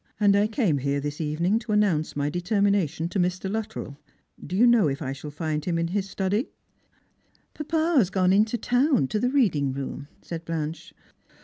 And I came here this evening to announce my deter mination to Mr. Luttrell. Do you know if I shall find him in his study P "" Papa has gone into the town, to the reading room," said Blanche.